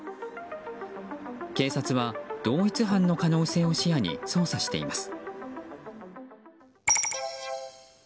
警察は同一犯の可能性を視野に捜査しています。